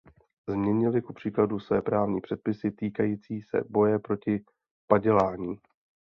Změnili kupříkladu své právní předpisy týkající se boje proti padělání.